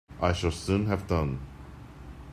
I shall soon have done.